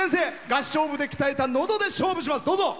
合唱部で鍛えたのどで勝負します。